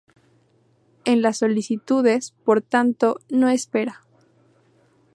En las solicitudes, por tanto, no espera.